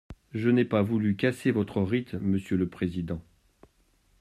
Je n’ai pas voulu casser votre rythme, monsieur le président.